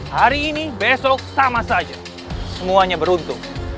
hari ini besok sama saja semuanya beruntung